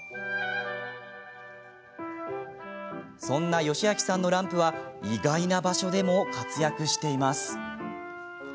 そんな与志彰さんのランプは意外な場所でも活躍しています。